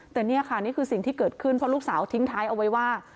แต่นี่ค่ะนี่คือสิ่งที่เกิดขึ้นเพราะลูกสาวทิ้งท้ายเอาไว้ว่า